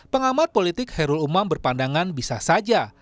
pengamat politik hairul umam berpandangan bisa saja